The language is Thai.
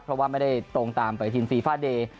เพราะว่าไม่ได้ตรงตามไปทีมฟีฟาเดย์